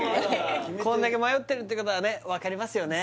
こんだけ迷ってるってことはね分かりますよね？